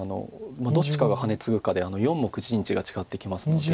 どっちかがハネツグかで４目陣地が違ってきますので。